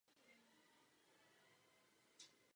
Výstavba tu probíhala již za dob britského mandátu.